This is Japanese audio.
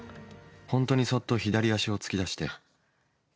本当にそっと左足を突き出して。